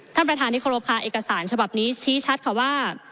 ท่านประธานที่เคารพค่ะเอกสารฉบับนี้ชี้ชัดค่ะว่า